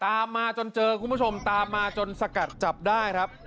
ตามมาจนเจอคุณผู้ชมตามมาจนสกัดจับได้ครับ